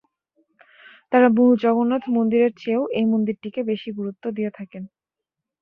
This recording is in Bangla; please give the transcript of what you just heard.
তারা মূল জগন্নাথ মন্দিরের চেয়েও এই মন্দিরটিকে বেশি গুরুত্ব দিয়ে থাকেন।